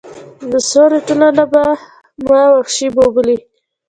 د سولې ټولنه به ما وحشي وبولي.